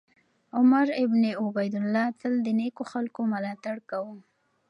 عمر بن عبیدالله تل د نېکو خلکو ملاتړ کاوه.